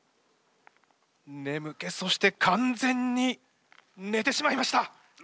眠気そして完全に寝てしまいました！